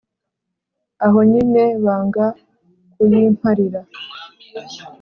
Aho nyine banga kuyimparira!